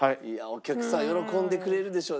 お客さん喜んでくれるでしょ。